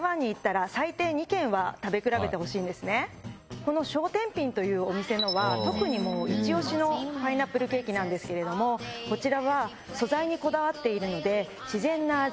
この手天品というお店のは特にイチ押しのパイナップルケーキなんですけれどもこちらは素材にこだわっているので自然な味